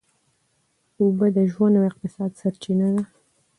اوبه د ژوند او اقتصاد سرچینه ده.